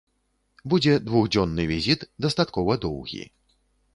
Будзе двухдзённы візіт, дастаткова доўгі.